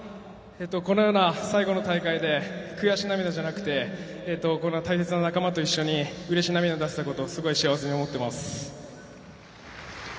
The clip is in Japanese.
このような最後の大会で悔し涙じゃなくてこんな大切な仲間と一緒にうれし涙を出せたことをすごい幸せに思ってます。